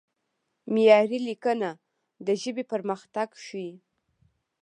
معیاري لیکنه د ژبې پرمختګ ښيي.